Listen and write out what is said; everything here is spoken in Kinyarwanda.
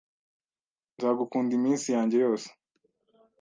Nzagukunda iminsi yanjye yose.